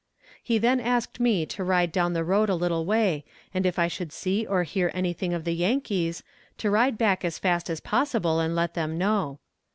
He then asked me to ride down the road a little way, and if I should see or hear anything of the Yankees to ride back as fast as possible and let them know.